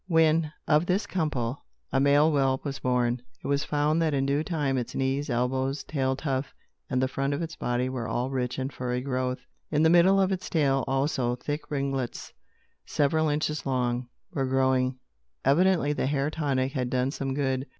When, of this couple, a male whelp was born, it was found that in due time its knees, elbows, tail tuft, and the front of its body were all rich in furry growth. In the middle of its tail, also, thick ringlets, several inches long, were growing. Evidently, the hair tonic had done some good.